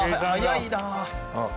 早いな。